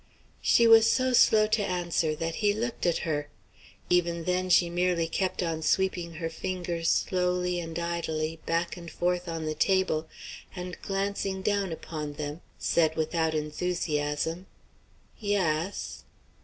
She was so slow to answer that he looked at her. Even then she merely kept on sweeping her fingers slowly and idly back and forth on the table, and, glancing down upon them, said without enthusiasm: "Yass."